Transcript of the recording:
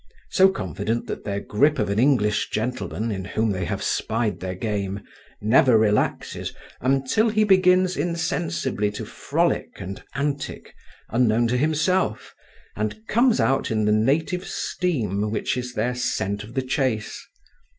So confident that their grip of an English gentleman, in whom they have spied their game, never relaxes until he begins insensibly to frolic and antic, unknown to himself, and comes out in the native steam which is their scent of the chase.